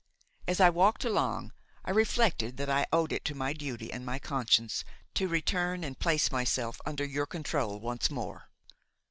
As I walked along I reflected that I owed it to my duty and my conscience to return and place myself under your control once more.